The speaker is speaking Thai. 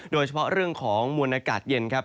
โดยเฉพาะเรื่องของมวลอากาศเย็นครับ